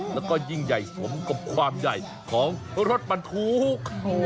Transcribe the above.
แล้วก็ยิ่งใหญ่สมกับความใหญ่ของรถบรรทุก